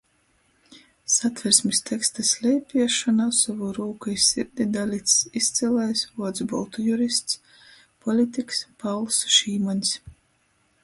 Satversmis teksta sleipiešonā sovu rūku i sirdi dalics izcylais vuocbaltu jurists, politiks Pauls Šīmaņs.